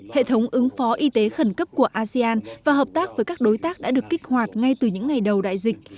hệ thống ứng phó y tế khẩn cấp của asean và hợp tác với các đối tác đã được kích hoạt ngay từ những ngày đầu đại dịch